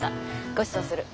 ごちそうする。